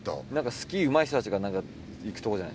スキーうまい人たちが行くとこじゃないですか？